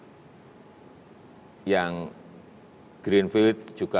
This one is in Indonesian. artinya ada nanti beberapa ruas jalan tol yang akan disekuritasikan